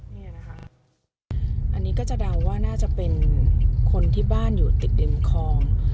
นี่นะคะอันนี้ก็จะเดาว่าน่าจะเป็นคนที่บ้านอยู่ติดริมคลอง